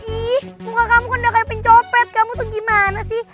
ih muka kamu kunda kayak pencopet kamu tuh gimana sih